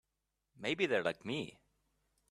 Maybe they're like me.